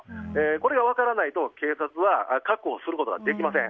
これが分からないと警察は確保することができません。